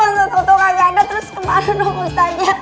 masa tau tau nggak ada terus kemana dong ustazah